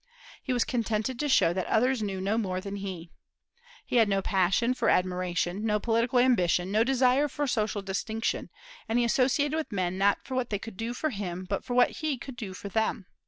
He was contented to show that others knew no more than he. He had no passion for admiration, no political ambition, no desire for social distinction; and he associated with men not for what they could do for him, but for what he could do for them.